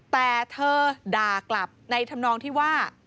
แต่เธอด่ากลับในธรรมนองที่ว่า